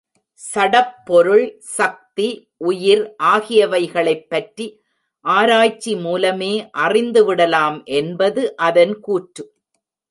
சடப்பொருள், சக்தி, உயிர் ஆகியவைகளைப் பற்றி ஆராய்ச்சி மூலமே அறிந்து விடலாம் என்பது அதன் கூற்று.